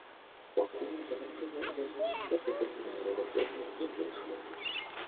"Po chwili zagadkowe owe istoty podpłynęły do brzegu i wyszły nań."